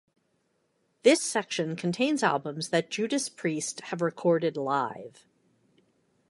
This section contains albums that Judas Priest have recorded live.